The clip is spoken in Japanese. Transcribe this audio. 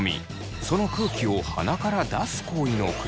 その空気を鼻から出す行為の繰り返しです。